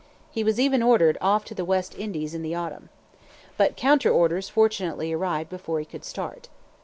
He was even ordered off to the West Indies in the autumn. But counter orders fortunately arrived before he could start.